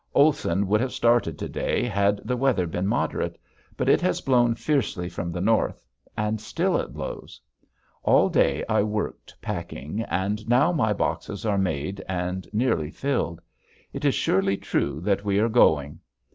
Olson would have started to day had the weather been moderate. But it has blown fiercely from the north and still it blows. All day I worked packing and now my boxes are made and nearly filled. It is surely true that we are going!